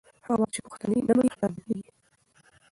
هغه واک چې پوښتنې نه مني خطرناک کېږي